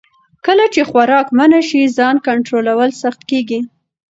کله چې خوراک منع شي، ځان کنټرول سخت کېږي.